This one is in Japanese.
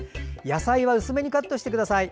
野菜は薄めにカットしてください。